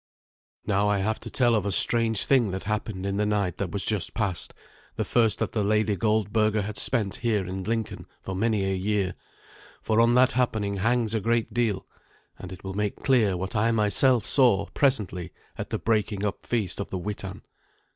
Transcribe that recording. Now I have to tell of a strange thing that happened in the night that was just past, the first that the Lady Goldberga had spent here in Lincoln for many a year, for on that happening hangs a great deal, and it will make clear what I myself saw presently at the breaking up feast of the Witan.